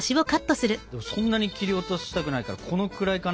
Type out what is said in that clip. そんなに切り落としたくないからこのくらいかな。